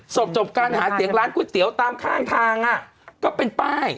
จบจบการหาเสียงร้านก๋วยเตี๋ยวตามข้างทางก็เป็นป้าย